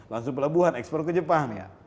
langsung pelabuhan ekspor ke jepang ya